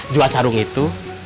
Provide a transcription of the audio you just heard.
jual sarung itu